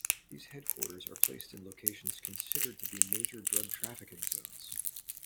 These headquarters are placed in locations considered to be major drug trafficking zones.